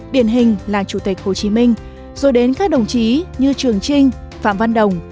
điển hình là chủ tịch hồ chí minh rồi đến các đồng chí như trường trinh phạm văn đồng